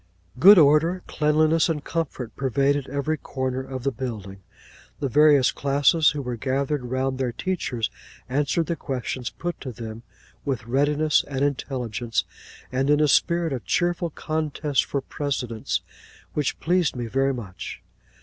Good order, cleanliness, and comfort, pervaded every corner of the building. The various classes, who were gathered round their teachers, answered the questions put to them with readiness and intelligence, and in a spirit of cheerful contest for precedence which pleased me very much.